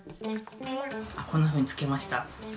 こんなふうにつけました。